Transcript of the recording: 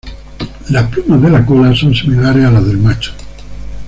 Las plumas de la cola son similares a las del macho.